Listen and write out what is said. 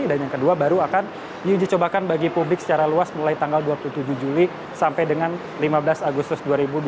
dan yang kedua baru akan diuji cobakan bagi publik secara luas mulai tanggal dua puluh tujuh juli sampai dengan lima belas agustus dua ribu dua puluh tiga